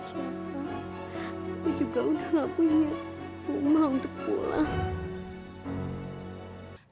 aku juga enggak punya rumah untuk pulang